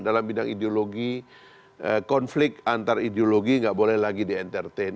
dalam bidang ideologi konflik antar ideologi nggak boleh lagi di entertain